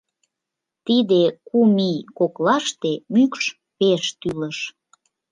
Тиде кум ий коклаште мӱкш пеш тӱлыш.